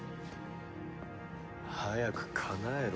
早くかなえろ。